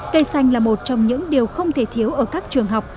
cây xanh là một trong những điều không thể thiếu ở các trường học